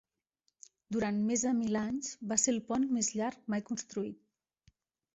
Durant més de mil anys va ser el pont més llarg mai construït.